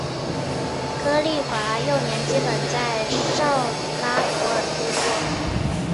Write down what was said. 柯棣华幼年基本在绍拉普尔度过。